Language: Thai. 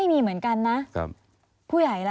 พ่อที่รู้ข่าวอยู่บ้าง